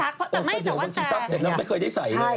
แต่ไม่แต่ว่าจะใช่จริงอ๋อก็เดี๋ยวบางทีซับเสร็จแล้วไม่เคยได้ใส่เลย